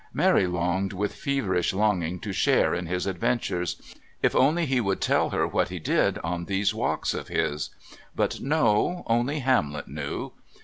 Mary longed with feverish longing to share in his adventures. If only he would tell her what he did on these walks of his. But no, only Hamlet knew.